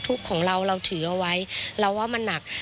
ทุกข์ของเราเราถือเอาไว้เราว่ามันหนัก